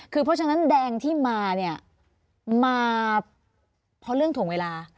คือเพราะฉะนั้นแดงที่มาเนี่ยมาเพราะเรื่องถ่วงเวลา